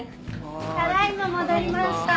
ただ今戻りました。